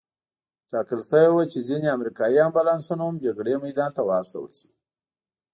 ټاکل شوې وه چې ځینې امریکایي امبولانسونه هم جګړې میدان ته واستول شي.